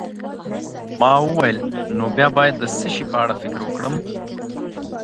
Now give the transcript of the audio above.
ما وویل: نو بیا باید د څه شي په اړه فکر وکړم؟